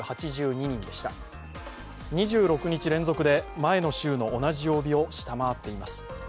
２６日連続で前の週の同じ曜日を下回っています。